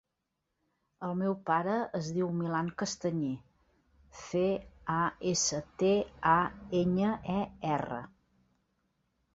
El meu pare es diu Milan Castañer: ce, a, essa, te, a, enya, e, erra.